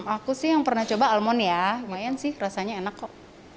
aku sih yang pernah coba almond ya lumayan sih rasanya enak kok